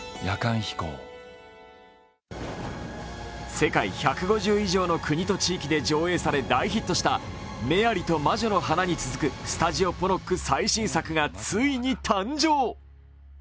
世界１５０以上の国と地域で上映され大ヒットした「メアリと魔女の花」に続くスタジオポノック最新作がついに誕生。